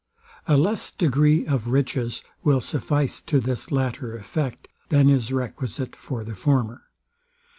A less degree of riches will suffice to this latter effect, than is requisite for the former.